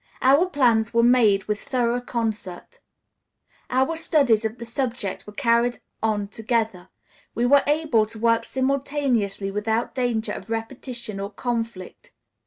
Our plans were made with thorough concert; our studies of the subject were carried on together; we were able to work simultaneously without danger of repetition or conflict.